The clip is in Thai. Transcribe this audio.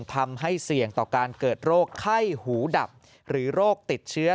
ทำให้เสี่ยงต่อการเกิดโรคไข้หูดับหรือโรคติดเชื้อ